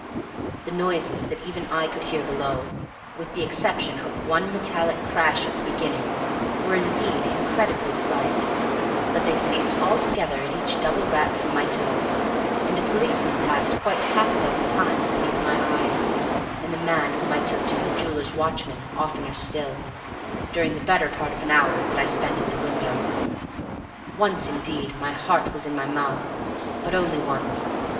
The noises that even I could hear below, with the exception of one metallic crash at the beginning, were indeed incredibly slight; but they ceased altogether at each double rap from my toe; and a policeman passed quite half a dozen times beneath my eyes, and the man whom I took to be the jeweller's watchman oftener still, during the better part of an hour that I spent at the window. Once, indeed, my heart was in my mouth, but only once.